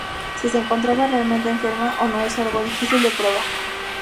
Si se encontraba realmente enferma o no es algo difícil de probar.